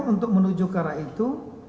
untuk menuju ke arah itu